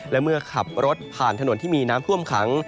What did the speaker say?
และเมื่อขับรถผ่านถนนที่มีน้ำท่วมขัง